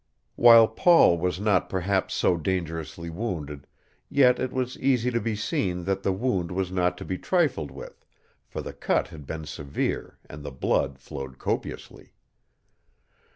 While Paul was not perhaps so dangerously wounded, yet it was easy to be seen that the wound was not to be trifled with, for the cut had been severe and the blood flowed copiously.